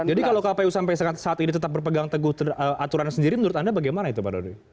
jadi kalau kpu sampai saat ini tetap berpegang teguh aturan sendiri menurut anda bagaimana itu pak daudi